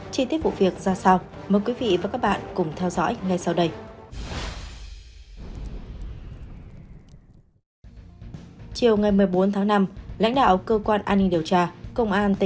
chi tiết vụ việc ra sao mời quý vị và các bạn cùng theo dõi ngay sau đây